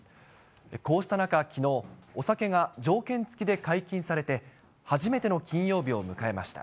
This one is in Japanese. こうした中、きのう、お酒が条件付きで解禁されて、初めての金曜日を迎えました。